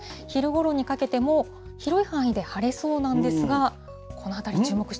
昼ごろにかけても、広い範囲で晴れそうなんですが、この辺り、ん？